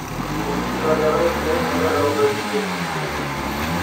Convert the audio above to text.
Originariamente non erano previste eccezioni.